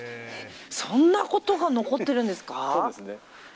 そんなことが残ってるんですか。